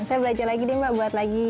oke lagi deh mbak buat lagi